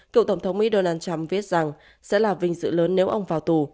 cựu tổng thống mỹ donald trump viết rằng sẽ là vinh dự lớn nếu ông vào tù